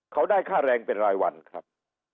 เขาได้ค่าแรงเป็นรายวันครับ